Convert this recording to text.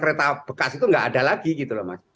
karena kereta bekas itu enggak ada lagi gitu mas